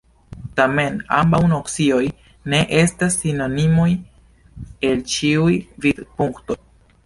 Tamen, ambaŭ nocioj ne estas sinonimoj el ĉiuj vidpunktoj.